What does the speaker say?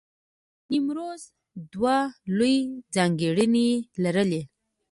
نیمروز دوه لوی ځانګړنې لرلې.